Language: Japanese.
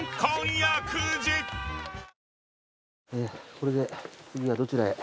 これで次はどちらへ？